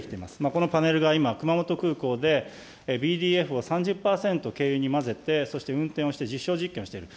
このパネルが今、熊本空港で、ＢＤＦを３０％軽油に混ぜて、そして運転をして、実証実験をしてる。